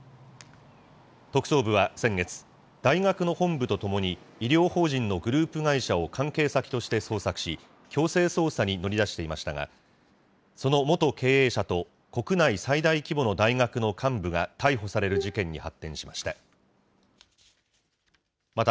特捜部は先月、大学の本部とともに、医療法人のグループ会社を関係先として捜索し、強制捜査に乗り出していましたが、その元経営者と国内最大規模の大学の幹部が逮捕される事件に発展しました。